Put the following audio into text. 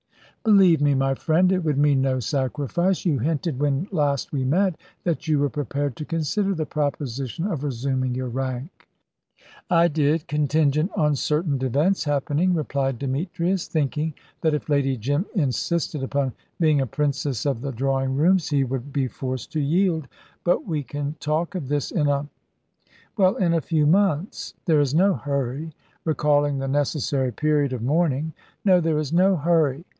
"Believe me, my friend, it would mean no sacrifice. You hinted when last we met that you were prepared to consider the proposition of resuming your rank." "I did contingent on certain events happening," replied Demetrius, thinking that if Lady Jim insisted upon being a princess of the drawing rooms, he would be forced to yield; "but we can talk of this in a well, in a few months. There is no hurry!" recalling the necessary period of mourning. "No, there is no hurry!"